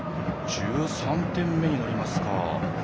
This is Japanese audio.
１３点目になりますか。